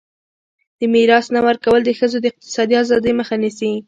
د میراث نه ورکول د ښځو د اقتصادي ازادۍ مخه نیسي.